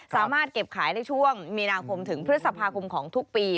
สามารถเก็บขายในช่วงมีนาคมถึงพฤษภาคมของทุกปี